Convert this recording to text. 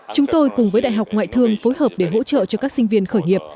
chúng tôi cùng với đại học ngoại thương phối hợp để hỗ trợ cho các sinh viên khởi nghiệp